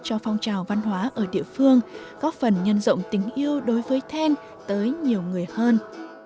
cho phong trào văn hóa ở địa phương góp phần nhân rộng tình yêu đối với then tới nhiều người hơn